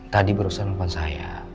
tadi berusaha nelfon saya